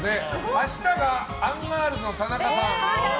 明日が、アンガールズの田中さん。